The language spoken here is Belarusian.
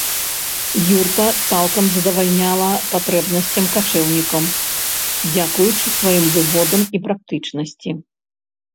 Юрта цалкам задавальняла патрэбнасцям качэўнікаў дзякуючы сваім выгодам і практычнасці.